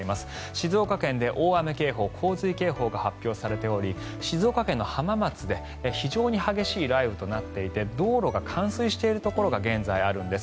静岡県で大雨警報、洪水警報が発表されており静岡県の浜松で非常に激しい雷雨となっていて道路が冠水しているところが現在あるんです。